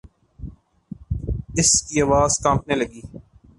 اس کی آواز کانپنے لگی۔